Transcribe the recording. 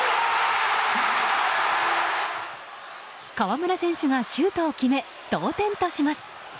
河村選手がシュートを決め同点とします！